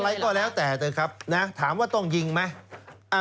อะไรก็แล้วแต่เถอะครับนะถามว่าต้องยิงไหม